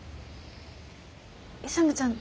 勇ちゃん